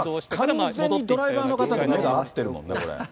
今、完全にドライバーの方が目が合ってるもんね、これ。